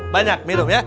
banyak minum ya